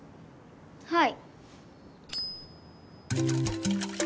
はい。